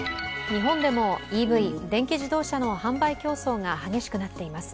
日本でもＥＶ＝電気自動車の販売競争が激しくなっています。